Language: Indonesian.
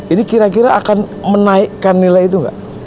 ini kira kira akan menaikkan nilai itu nggak